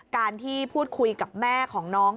การที่พูดคุยกับแม่ของน้อง